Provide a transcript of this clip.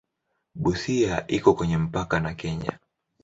Busia iko kwenye mpaka na Kenya.